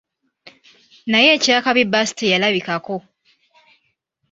Naye ekyakabi bbaasi teyalabikako.